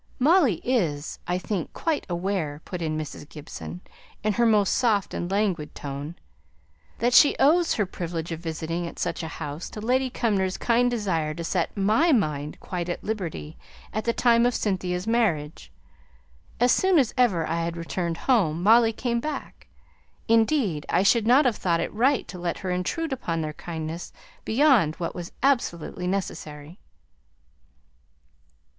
"Molly is, I think, quite aware," put in Mrs. Gibson, in her most soft and languid tone, "that she owes her privilege of visiting at such a house to Lady Cumnor's kind desire to set my mind quite at liberty at the time of Cynthia's marriage. As soon as ever I had returned home, Molly came back; indeed, I should not have thought it right to let her intrude upon their kindness beyond what was absolutely necessary."